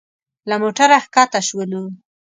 له موټره ښکته شولو.